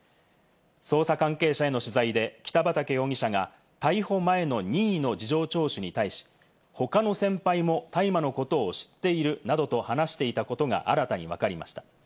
捜査関係者への取材で北畠容疑者が逮捕前の任意の事情聴取に対し、他の先輩も大麻のことを知っているなどと話していたことが新たにわかりました。